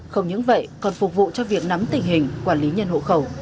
không những vậy còn phục vụ cho việc nắm tình hình quản lý nhân hộ khẩu